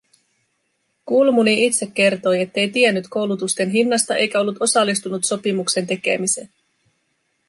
Kulmuni itse kertoi, ettei tiennyt koulutusten hinnasta eikä ollut osallistunut sopimuksen tekemiseen